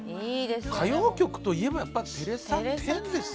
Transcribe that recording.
歌謡曲といえばやっぱりテレサ・テンですよ。